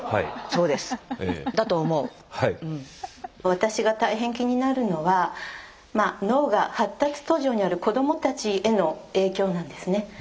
私が大変気になるのは脳が発達途上にある子供たちへの影響なんですね。